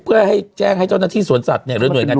เพื่อแจ้งให้เจ้าหน้าที่สวนสัตว์เนี่ย